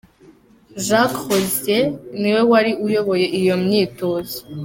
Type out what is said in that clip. Jacques Rosier niwe wari uyoboye iyo myitozo.